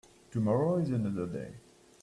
Tomorrow is another day.